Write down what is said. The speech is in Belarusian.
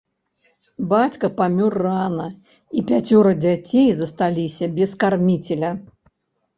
Бацька памёр рана, і пяцёра дзяцей засталіся без карміцеля.